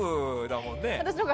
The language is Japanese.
だもんね。